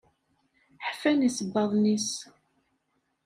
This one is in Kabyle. Ḥfan isebbaḍen-is.